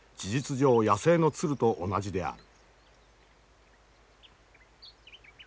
上野生の鶴と同じである。